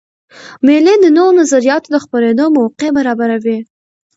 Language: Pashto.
مېلې د نوو نظریاتو د خپرېدو موقع برابروي.